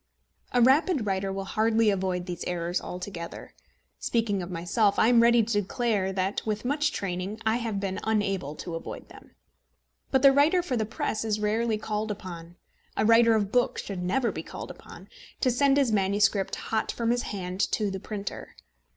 A rapid writer will hardly avoid these errors altogether. Speaking of myself, I am ready to declare that, with much training, I have been unable to avoid them. But the writer for the press is rarely called upon a writer of books should never be called upon to send his manuscript hot from his hand to the printer.